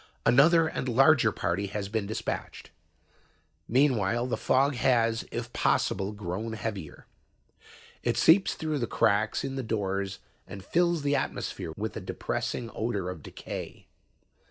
Another and larger party has been dispatched. "Meanwhile, the fog has, if possible, grown heavier. It seeps through the cracks in the doors and fills the atmosphere with a depressing odor of decay.